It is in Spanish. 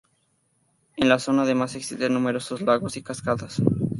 En la zona además existen numerosos lagos y cascadas.